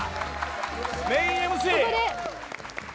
メインＭＣ！